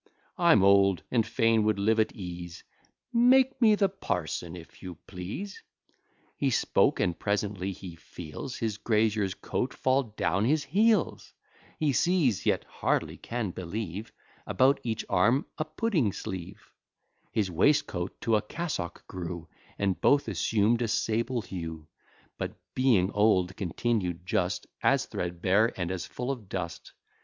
I'm old, and fain would live at ease; Make me the parson if you please." He spoke, and presently he feels His grazier's coat fall down his heels: He sees, yet hardly can believe, About each arm a pudding sleeve; His waistcoat to a cassock grew, And both assumed a sable hue; But, being old, continued just As threadbare, and as full of dust.